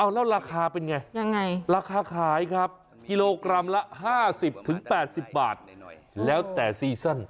แล้วราคาเป็นไงราคาขายครับกิโลกรัมละ๕๐๘๐บาทแล้วแต่ซีซั่น